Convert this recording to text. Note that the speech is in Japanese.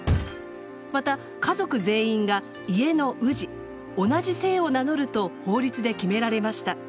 また家族全員が家の氏同じ姓を名乗ると法律で決められました。